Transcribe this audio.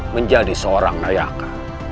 menjadi seorang nayaka